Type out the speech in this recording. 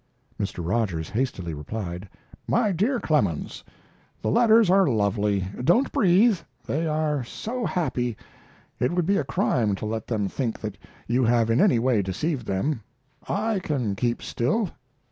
Mr. Rogers hastily replied: MY DEAR CLEMENS, The letters are lovely. Don't breathe. They are so happy! It would be a crime to let them think that you have in any way deceived them. I can keep still.